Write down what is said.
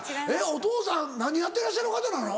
お父さん何やってらっしゃる方なの？